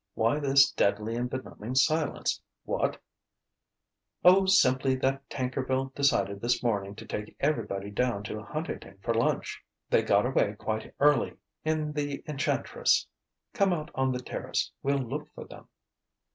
"Why this deadly and benumbing silence? What " "Oh, simply that Tankerville decided this morning to take everybody down to Huntington for lunch. They got away quite early, in the Enchantress. Come out on the terrace; we'll look for them."